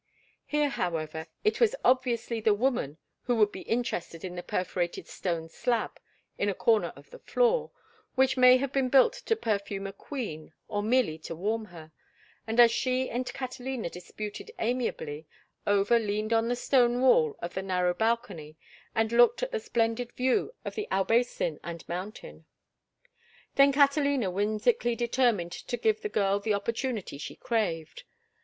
Here, however, it was obviously the woman who would be interested in the perforated stone slab in a corner of the floor, which may have been built to perfume a queen or merely to warm her, and as she and Catalina disputed amiably, Over leaned on the stone wall of the narrow balcony and looked at the splendid view of Albaicin and mountain. Then Catalina whimsically determined to give the girl the opportunity she craved.